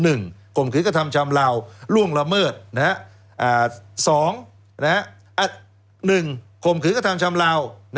ข่มขืนกระทำชำลาวล่วงละเมิดสองหนึ่งข่มขืนกระทำชำลาว